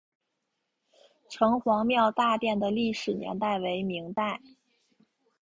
城隍庙大殿的历史年代为明代。